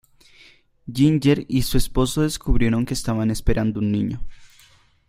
Ginger y su esposo descubrieron que estaban esperando un niño.